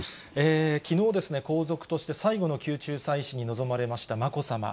きのうですね、皇族として最後の宮中祭祀に臨まれましたまこさま。